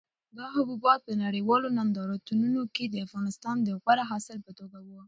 دا حبوبات په نړیوالو نندارتونونو کې د افغانستان د غوره حاصل په توګه وو.